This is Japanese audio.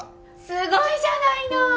すごいじゃないの！